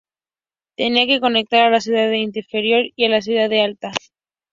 Tenía que conectar la "Ciudad Inferior" y la "Ciudad Alta".